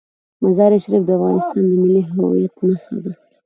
مزارشریف د افغانستان د ملي هویت نښه ده.